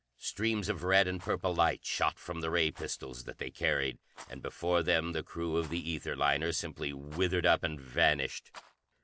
Streams of red and purple light shot from the ray pistols that they carried, and before them the crew of the ether liner simply withered up and vanished.